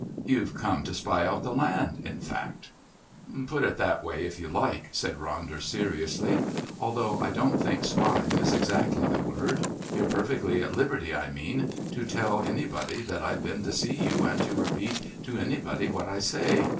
"You've come to spy out the land, in fact?" "Put it that way if you like," said Ronder seriously, "although I don't think spying is exactly the word. You're perfectly at liberty, I mean, to tell anybody that I've been to see you and to repeat to anybody what I say.